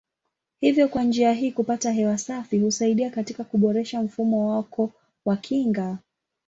Hivyo kwa njia hii kupata hewa safi husaidia katika kuboresha mfumo wako wa kinga.